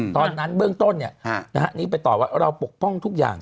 ตอนนั้นเบื้องต้นนี้ไปตอบว่าเราปกป้องทุกอย่าง